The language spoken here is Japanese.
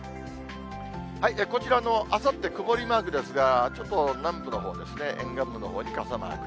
こちらの、あさって曇りマークですが、ちょっと南部のほうですね、沿岸部のほうに、傘マーク。